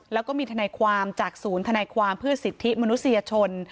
แล้วก็มีทนายความจากศูนย์ธนายความเพื่อสิทธิมนุษยชน